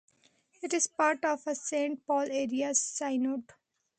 It is part of the Saint Paul Area Synod.